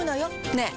ねえ。